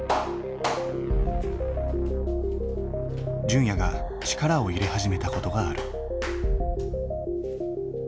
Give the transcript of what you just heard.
純也が力を入れ始めたことがある。